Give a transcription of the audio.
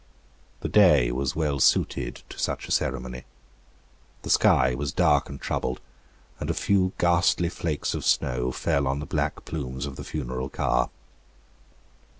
The day was well suited to such a ceremony. The sky was dark and troubled; and a few ghastly flakes of snow fell on the black plumes of the funeral car.